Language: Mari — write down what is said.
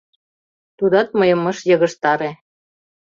Тудат мыйым ыш йыгыжтаре.